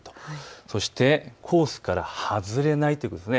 そしてコースから外れないということですね。